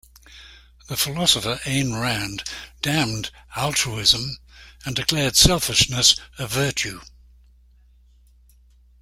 The philosopher Ayn Rand damned "altruism" and declared selfishness a virtue.